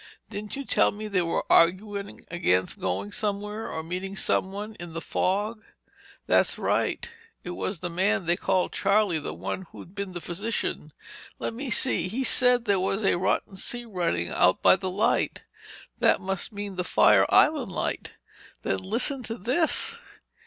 "Didn't you tell me they were arguing against going somewhere—or meeting someone—in the fog?" "That's right. It was the man they called Charlie—the one who'd been a physician. Let me see ... he said that there was a rotten sea running out by the light. That must mean the Fire Island Light! Then, listen to this.